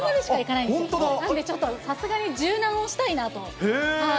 なので、ちょっとさすがに柔軟をしたいなと。